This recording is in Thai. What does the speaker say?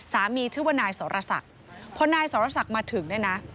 สามีชื่อว่านายสรษักเพราะนายสรษักมาถึงนะนะ